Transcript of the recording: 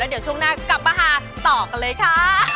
เดี๋ยวช่วงหน้ากลับมาหาต่อกันเลยค่ะ